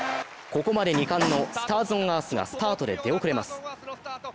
ここまで２冠のスターズオンアースがスタートで出遅れます。